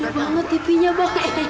tuduh banget tv nya pak